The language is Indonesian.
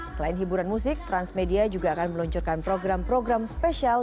selain hiburan musik transmedia juga akan meluncurkan program program spesial